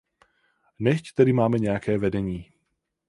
Nechť tedy máme nějaké vedení.